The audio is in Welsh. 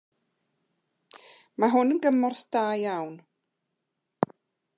Mae hwn yn gymorth da iawn.